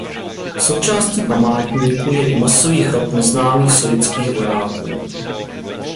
Součástí památníku je i masový hrob neznámých sovětských vojáků.